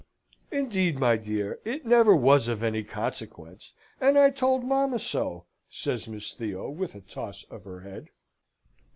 "Indeed, my dear, it never was of any consequence; and I told mamma so," says Miss Theo, with a toss of her head.